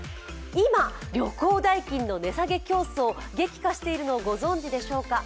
今、旅行代金の値下げ競争激化しているの、ご存じでしょうか。